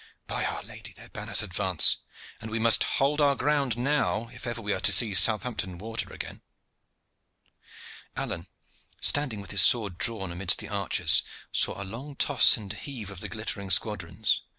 By Our Lady! their banners advance, and we must hold our ground now if ever we are to see Southampton Water again." Alleyne, standing with his sword drawn amidst the archers, saw a long toss and heave of the glittering squadrons.